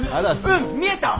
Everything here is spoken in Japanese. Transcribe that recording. うん見えたわ！